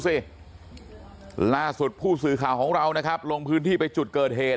ล่าสุดผู้สื่อข่าวของเรานะครับลงพื้นที่ไปจุดเกิดเหตุ